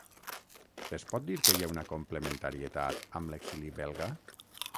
Es pot dir que hi ha una complementarietat amb l’exili belga?